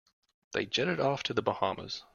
They jetted off to the Bahamas.